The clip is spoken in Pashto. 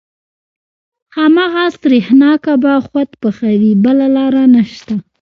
هماغه سرېښناکه به خود پخوې بله لاره نشته.